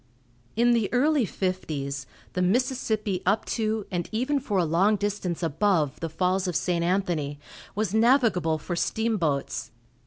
In the early fifties, the Mississippi up to, and even for a long distance above, the Falls of St. Anthony was navigable for steamboats.